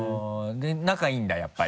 で仲いいんだやっぱり。